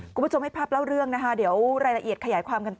คุณผู้ชมให้ภาพเล่าเรื่องนะคะเดี๋ยวรายละเอียดขยายความกันต่อ